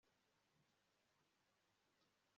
urukundo dutanga ni urukundo rwonyine tugumana